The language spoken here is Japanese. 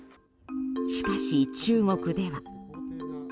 しかし、中国では。